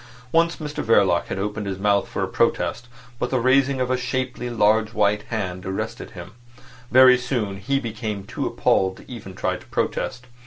Once Mr Verloc had opened his mouth for a protest, but the raising of a shapely, large white hand arrested him. Very soon he became too appalled to even try to protest.